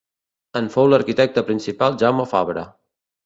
En fou l'arquitecte principal Jaume Fabre.